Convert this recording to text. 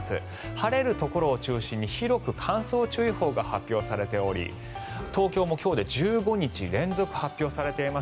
晴れるところを中心に広く乾燥注意報が発表されており東京も今日で１５日連続発表されています。